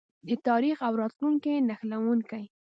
د تاریخ او راتلونکي نښلونکی.